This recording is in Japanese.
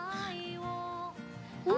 うん？